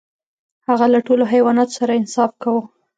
هغه له ټولو حیواناتو سره انصاف کاوه.